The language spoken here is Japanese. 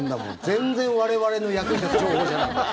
全然我々の役に立つ情報じゃない。